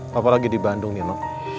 papa lagi di bandung nino